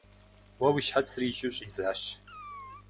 Уэ уи щхьэцыр икӏыу щӏидзащ.